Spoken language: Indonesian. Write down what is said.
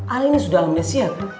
ale ini sudah amnesia